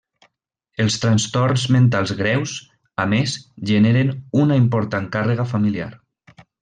Els trastorns mentals greus, a més, generen una important càrrega familiar.